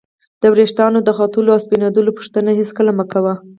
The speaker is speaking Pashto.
د ورېښتانو د ختلو او سپینېدلو پوښتنه هېڅکله مه کوئ!